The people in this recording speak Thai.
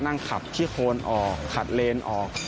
นั่งขับขี้โคนออกขัดเลนออก